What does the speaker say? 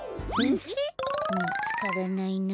みつからないな。